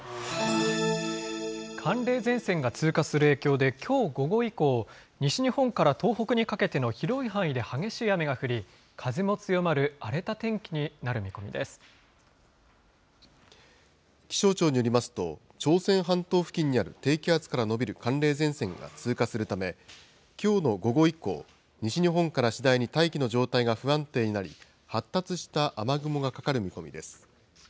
寒冷前線が通過する影響できょう午後以降、西日本から東北にかけての広い範囲で激しい雨が降り、風も強まる荒れた天気になる気象庁によりますと、朝鮮半島付近にある低気圧から延びる寒冷前線が通過するため、きょうの午後以降、西日本から次第に大気の状態が不安定になり、発達した雨雲がかかる見込みです。